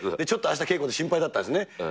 ちょっとあした稽古で心配だったんですね。